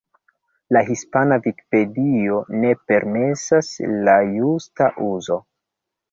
La Hispana Vikipedio ne permesas la justa uzo.